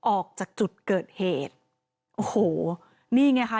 ออกจากจุดเกิดเหตุโอ้โหนี่ไงค่ะ